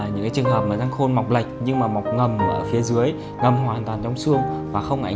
những trường hợp giang khôn mọc lệch nhưng mà mọc ngầm ở phía dưới ngầm hoàn toàn trong xương và không ảnh hưởng